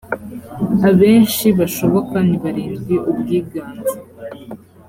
abenshi bashoboka ni barindwi ubwiganze